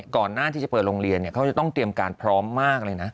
ก่อนหน้าที่จะเปิดโรงเรียนเขาจะต้องเตรียมการพร้อมมากเลยนะ